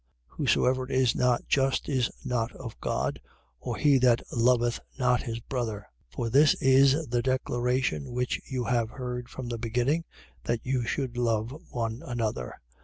Whosoever is not just is not of God, or he that loveth not his brother. 3:11. For this is the declaration which you have heard from the beginning, that you should love one another.